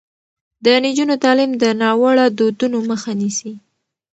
د نجونو تعلیم د ناوړه دودونو مخه نیسي.